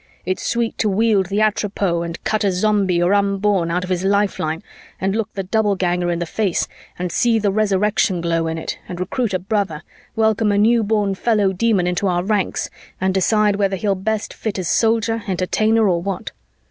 It's sweet to wield the Atropos and cut a Zombie or Unborn out of his lifeline and look the Doubleganger in the face and see the Resurrection glow in it and Recruit a brother, welcome a newborn fellow Demon into our ranks and decide whether he'll best fit as Soldier, Entertainer, or what.